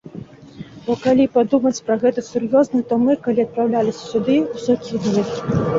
Бо калі падумаць пра гэта сур'ёзна, то мы, калі адпраўляліся сюды, усё кінулі.